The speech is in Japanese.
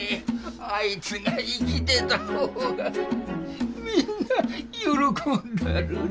あいつが生きてた方がみんな喜んだのに。